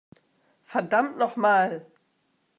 Verdammt noch mal!